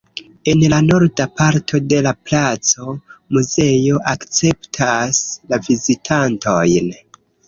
En la norda parto de la placo muzeo akceptas la vizitantojn.